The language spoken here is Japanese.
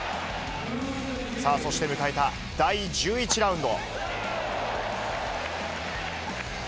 さあ、そして迎えた第１１ラウンド。